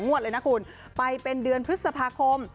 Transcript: งวดเลยนะคุณไปเป็นเดือนพฤษภาคม